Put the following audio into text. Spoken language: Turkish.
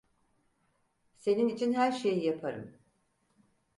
Senin için her şeyi yaparım.